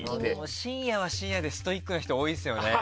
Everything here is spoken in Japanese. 深夜は深夜でストイックな人多いですよね。